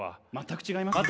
全く違います。